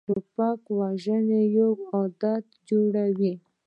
توپک وژنه یو عادت جوړوي.